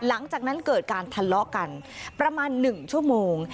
หลังจากนั้นเกิดการทะเลาะกันประมาณ๑ชั่วโมง